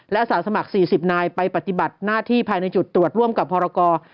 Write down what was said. และอาสาสมัคร๔๐นายไปปฏิบัติหน้าที่ภายในจุดตรวจร่วมกับพรกร